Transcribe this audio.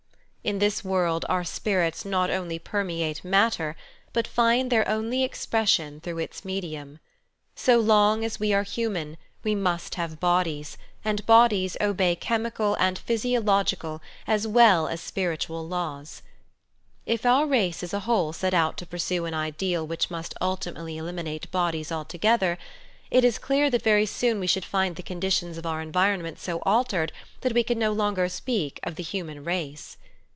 In this world our spirits not only permeate matter but find their only expression through its medium. The Heart's Desire 5 So long as wc are human we must have bodies, and bodies obey chemical and physiological, as well as spiritual laws. If our race as a whole set out to pursue an ideal which must ultimately eliminate bodies altogether, it is clear that very soon we should find the conditions of our environment so altered that we could no longer speak of the human race.